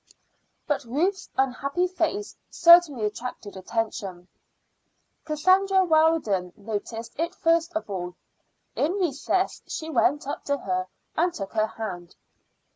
But Ruth's unhappy face certainly attracted attention. Cassandra Weldon noticed it first of all. In recess she went up to her and took her hand.